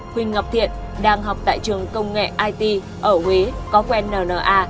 huỳnh ngọc thiện đang học tại trường công nghệ it ở huế có quen n n a